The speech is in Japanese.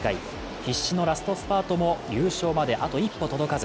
必死のラストスパートも優勝まであと一歩届かず。